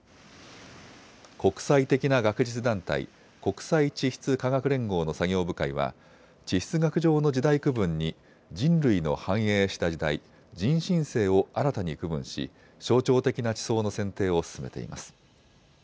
国際的な学術団体、国際地質科学連合の作業部会は地質学上の時代区分に人類の繁栄した時代、人新世を新たに区分し象徴的な地層の選定を進めています。